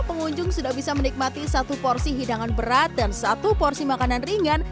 pengunjung sudah bisa menikmati satu porsi hidangan berat dan satu porsi makanan ringan